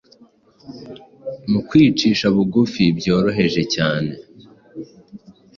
Mu kwicisha bugufi byoroheje cyane